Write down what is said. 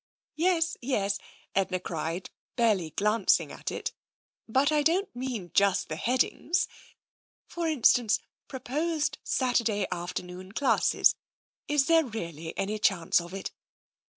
" Yes, yes," Edna cried, barely glancing at it, " but I don't mean just the headings. For instance, * Pro posed Saturday afternoon classes.' Is there really any 92 TENSION chance of it?